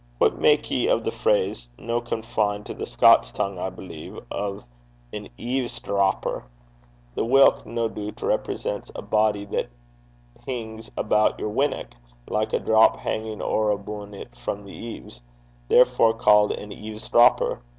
What mak' ye o' the phrase, no confined to the Scots tongue, I believe, o' an eaves drapper? The whilk, no doobt, represents a body that hings aboot yer winnock, like a drap hangin' ower abune it frae the eaves therefore called an eaves drapper.